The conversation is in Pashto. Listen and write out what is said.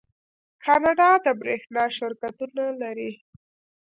کاناډا د بریښنا شرکتونه لري.